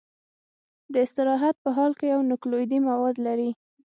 د استراحت په حال کې یو نوکلوئیدي مواد لري.